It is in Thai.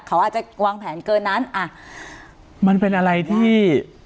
เขาอาจจะวางแผนเกินนั้นอ่ะมันเป็นอะไรที่